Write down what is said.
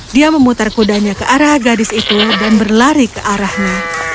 dia memutar kudanya ke arah gadis itu dan berlari ke arahnya